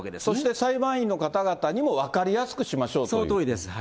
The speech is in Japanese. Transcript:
そして裁判員の方々にも分かりやすくしましょうという。